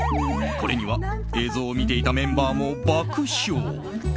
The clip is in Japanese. これには映像を見ていたメンバーも爆笑。